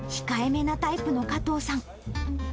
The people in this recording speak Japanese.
控えめなタイプの加藤さん。